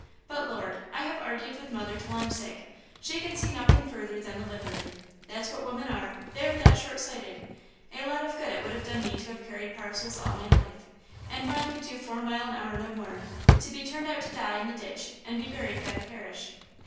But, Lord! I have argued with mother till I'm sick; she can see nothing further than the livery; that's what women are they are that short sighted.... A lot of good it would have done me to have carried parcels all my life, and when I could do four mile an hour no more, to be turned out to die in the ditch and be buried by the parish.